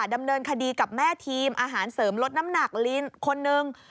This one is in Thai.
ดำเนินคดีกับแม่ทีมอาหารเสริมลดน้ำหนักลิ้นคนนึง